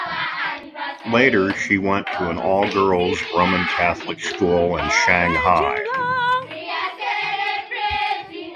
Later she went to an all-girls Roman Catholic school in Shanghai.